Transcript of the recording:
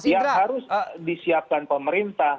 yang harus disiapkan pemerintah